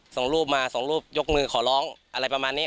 ส่งรูปมาส่งรูปยกมือขอร้องอะไรประมาณนี้